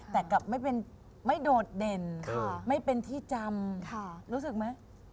แต่ไม่โดดเด่นเป็นเรื่องจำ